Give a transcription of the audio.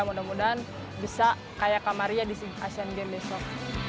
mudah mudahan bisa kayak kamaria di sea games besok